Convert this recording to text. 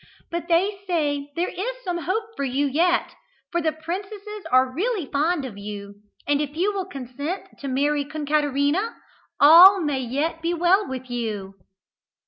"But they say there is some hope for you yet; for the princesses are really fond of you, and if you will consent to marry Concaterina, all may yet be well with you."